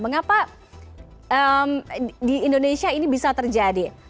mengapa di indonesia ini bisa terjadi